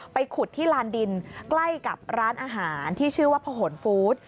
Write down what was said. ขุดที่ลานดินใกล้กับร้านอาหารที่ชื่อว่าพะหนฟู้ด